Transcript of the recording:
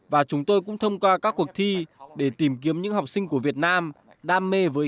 và chúng tôi cũng thông qua các cuộc thi để tìm kiếm những học sinh của việt nam đam mê với australia